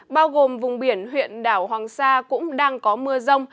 bao gồm vùng biển huyện đảo hoàng sa cũng đang có mưa rông